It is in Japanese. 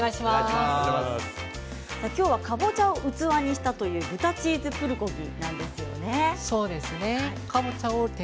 今日は、かぼちゃを器にしたという豚チーズプルコギなんですよね。